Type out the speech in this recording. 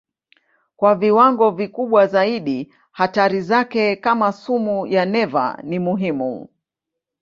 Kwa viwango kikubwa zaidi hatari zake kama sumu ya neva ni muhimu.